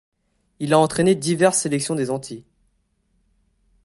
Il a entraîné diverses sélections des Antilles.